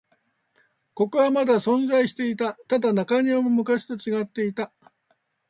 ここはまだ存在していた。ただ、中庭も昔と違っていた。